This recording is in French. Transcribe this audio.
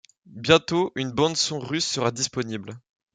Bientôt, une bande son russe sera disponible.